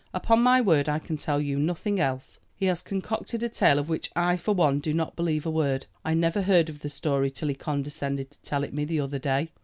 Upon my word, I can tell you nothing else. He has concocted a tale of which I for one do not believe a word. I never heard of the story till he condescended to tell it me the other day.